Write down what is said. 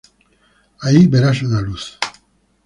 Ahí verás una luz.